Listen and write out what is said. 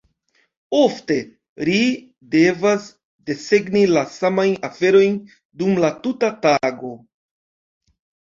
Ofte, ri devas desegni la samajn aferojn dum la tuta tago.